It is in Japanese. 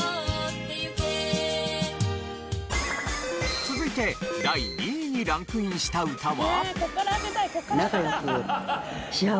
続いて第２位にランクインした歌は？